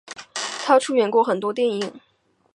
她出演过很多电影。